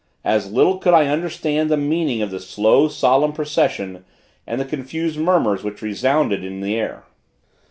As little could I understand the meaning of the slow, solemn procession, and the confused murmurs which resounded in the air.